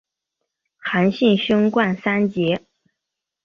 韩信勋冠三杰。